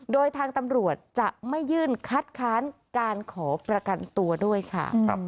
โดยทางตำรวจจะไม่ยื่นคัดค้านการขอประกันตัวด้วยค่ะ